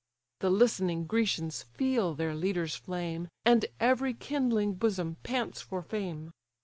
The listening Grecians feel their leader's flame, And every kindling bosom pants for fame.